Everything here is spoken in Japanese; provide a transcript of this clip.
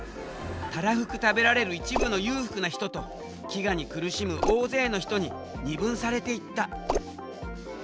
たらふく食べられる一部の裕福な人と飢餓に苦しむ大勢の人に二分されていった。